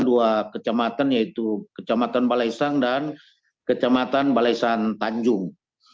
dua kecamatan yaitu kecamatan balesang dan kecamatan balesan tanjung